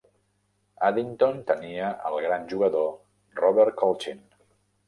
Addington tenia el gran jugador Robert Colchin.